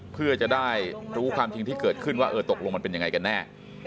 เพื่อจะได้รู้ความจริงที่เกิดขึ้นว่าเออตกลงมันเป็นยังไงกันแน่